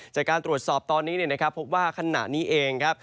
จากการตรวจสอบตอนนี้นะครับพบว่าขณะนี้เองครับ